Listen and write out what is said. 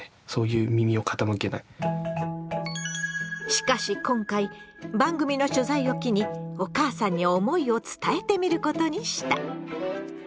しかし今回番組の取材を機にお母さんに思いを伝えてみることにした。